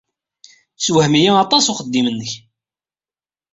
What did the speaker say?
Yessewhem-iyi aṭas uxeddim-nnek.